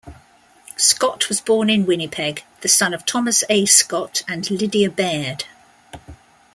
Scott was born in Winnipeg, the son of Thomas A. Scott and Lydia Baird.